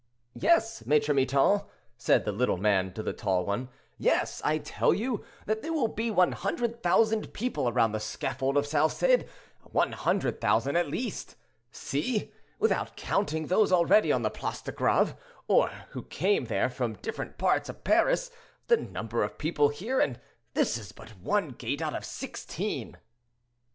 "Yes, Maitre Miton," said the little man to the tall one, "yes, I tell you that there will be 100,000 people around the scaffold of Salcede—100,000 at least. See, without counting those already on the Place de Greve, or who came there from different parts of Paris, the number of people here; and this is but one gate out of sixteen."